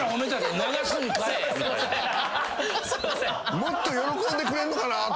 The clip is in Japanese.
もっと喜んでくれんのかなって。